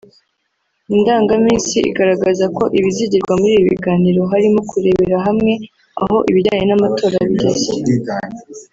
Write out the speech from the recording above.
Indangaminsi igaragaza ko ibizigirwa muri ibi biganiro harimo kurebera hamwe aho ibijyanye n’amatora bigeze